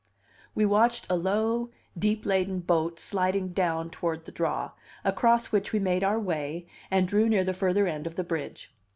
We watched a slow, deep laden boat sliding down toward the draw, across which we made our way, and drew near the further end of the bridge.